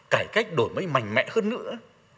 cải cách đổi mới mạnh mẽ hơn nữa